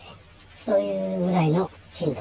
そういうぐらいの頻度。